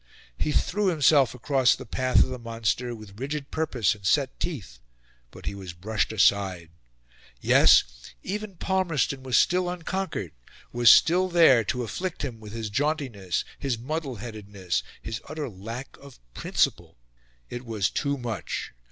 He threw himself across the path of the monster with rigid purpose and set teeth, but he was brushed aside. Yes! even Palmerston was still unconquered was still there to afflict him with his jauntiness, his muddle headedness, his utter lack of principle. It was too much.